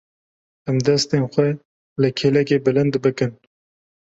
Em destên xwe li kêlekê bilind bikin.